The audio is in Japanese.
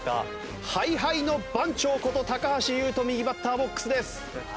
ＨｉＨｉの番長こと橋優斗右バッターボックスです。